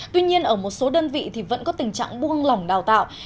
tuy nhiên ở một số đơn vị thì vẫn có tình trạng buông lỏng đào tạo